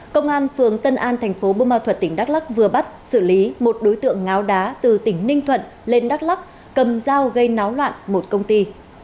công an phường tân an thành phố bô ma thuật tỉnh đắk lắc vừa bắt xử lý một đối tượng ngáo đá từ tỉnh ninh thuận lên đắk lắc cầm dao gây náo loạn một công ty